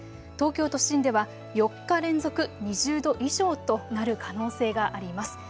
東京都心では４日連続２０度以上となる可能性があります。